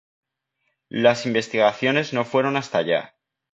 Las investigaciones no fueron hasta allá.